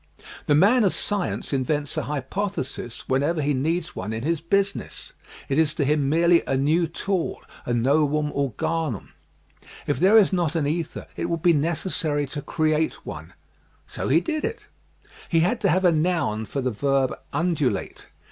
The man of science invents an hypothesis whenever he needs one in his business. It is to him merely a new tool, a novum organum. If there is not an ether it would be necessary to create one. So he did it. He had to have a noun for the verb " undulate."